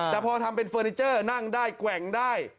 แต่พอทำเป็นเฟอร์นิเจอร์นั่งได้แกว่งได้